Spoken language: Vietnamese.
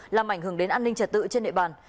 làm ảnh hưởng đến an ninh trật tự trên địa bàn